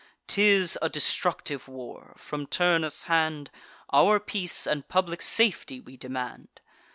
'Tis a destructive war: from Turnus' hand Our peace and public safety we demand.